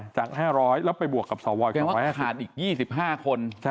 ๔๗๕จาก๕๐๐แล้วไปบวกกับสวความว่าขาดอีก๒๕คน